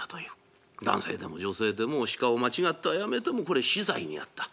男性でも女性でも鹿を間違ってあやめてもこれ死罪になった。